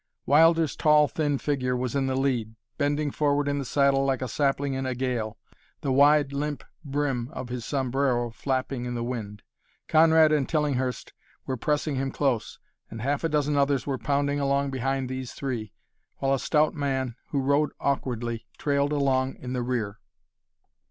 Wilder's tall, thin figure was in the lead, bending forward in the saddle like a sapling in a gale, the wide, limp brim of his sombrero flapping in the wind. Conrad and Tillinghurst were pressing him close, and half a dozen others were pounding along behind these three, while a stout man, who rode awkwardly, trailed along in the rear.